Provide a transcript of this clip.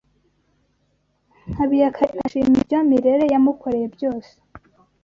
Habiyakare ashima ibyo Mirelle yamukoreye byose.